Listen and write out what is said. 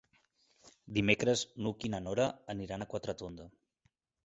Dimecres n'Hug i na Nora aniran a Quatretonda.